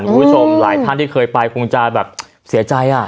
คุณผู้ชมหลายท่านที่เคยไปคงจะแบบเสียใจอ่ะ